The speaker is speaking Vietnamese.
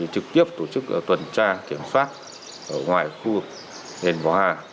trực tiếp tổ chức tuần tra kiểm soát ở ngoài khu vực đền võ hà